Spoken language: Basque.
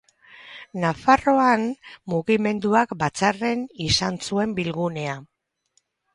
Nafarroan, mugimenduak Batzarren izan zuen bilgunea.